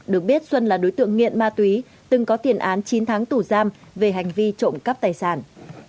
được biết xuân là đối tượng nghiện ma túy từng có tiền án chín tháng tù giam về hành vi trộm cắp tài sản